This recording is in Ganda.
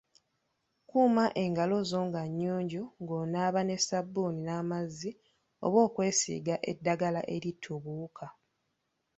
Kuuma engalo zo nga nnyonjo ng’onaaba ne ssabbuuni n’amazzi oba okwesiiga eddagala eritta obuwuka.